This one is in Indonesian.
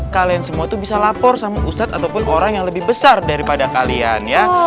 kalian semua itu bisa lapor sama ustadz ataupun orang yang lebih besar daripada kalian ya